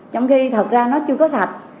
trong khi thật ra nó chưa có sạch